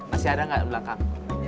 ada nggak di belakang